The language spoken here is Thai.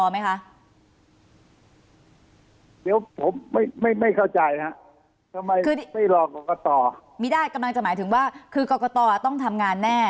ไม่ได้กำลังจะหมายถึงว่าคือกรกตต้องทำงานแน่